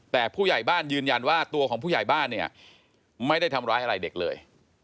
แต่ผู้ใหญ่บ้านยืนยันว่าตัวของผู้ใหญ่บ้านเนี่ยไม่ได้ทำร้ายอะไรเด็กเลย